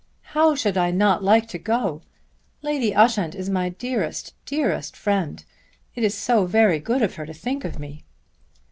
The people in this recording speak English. "How should I not like to go? Lady Ushant is my dearest, dearest friend. It is so very good of her to think of me."